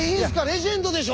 レジェンドでしょ？